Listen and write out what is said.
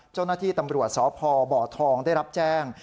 เจ้าหน้าที่ตำรวจสพบทองได้รับแจ้ง